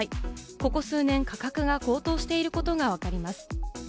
ここ数年、価格が高騰していることがわかります。